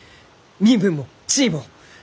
身分も地位も。